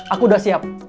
aku sudah siap